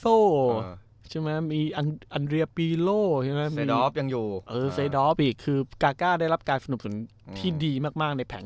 โอ้โหดุทั้งนั้น